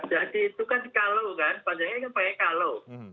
jadi itu kan kalau kan panjangnya kan banyak kalau